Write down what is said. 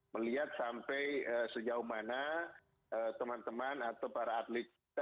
melihat sampai sejauh mana teman teman atau para atlet kita para pelatih dan atlet kita